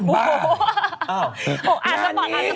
เป็นบ้า